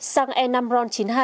xăng e năm ron chín mươi hai